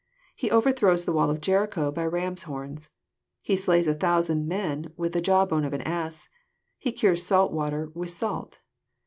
He overthrows the wall of Jericho by ram's horns. He slays a thousand men with the Jawbone of an ass. He cures salt water with salt.